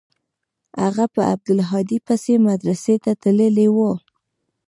هغه په عبدالهادي پسې مدرسې ته تللى و.